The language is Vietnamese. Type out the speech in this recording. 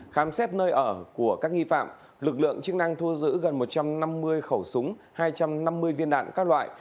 khám xét nơi ở của các nghi phạm lực lượng chức năng thu giữ gần một trăm năm mươi khẩu súng hai trăm năm mươi viên đạn các loại